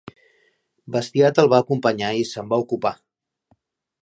Bastiat el va acompanyar i se'n va ocupar.